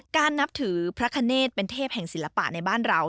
นับถือพระคเนธเป็นเทพแห่งศิลปะในบ้านเรา